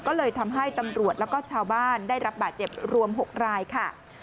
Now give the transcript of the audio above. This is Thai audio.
ก็เลยทำให้ตำรวจแล้วก็ชาวบ้านได้รับบาดเจ็บรวม๖รายค่ะ